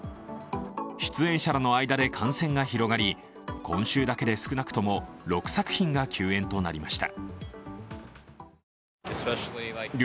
出演者らの間で感染が広がり今週だけで少なくとも６作品が休演となりました。